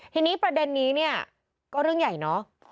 ทีนี้ประเด็นนี้เนี่ยก็เรื่องใหญ่เนอะ